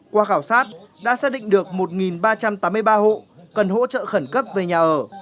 qua khảo sát đã xác định được một ba trăm tám mươi ba hộ cần hỗ trợ khẩn cấp về nhà ở